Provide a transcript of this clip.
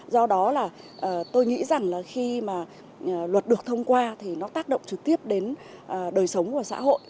do đó là tôi nghĩ rằng là khi mà luật được thông qua thì nó tác động trực tiếp đến đời sống của xã hội